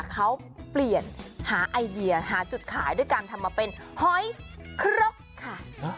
เขาเปลี่ยนหาไอเดียหาจุดขายด้วยการทำมาเป็นหอยครกค่ะ